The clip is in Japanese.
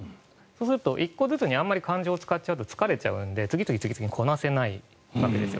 そうすると、１個ずつにあまり感情を使っちゃうと疲れちゃうので次々にこなせないわけです。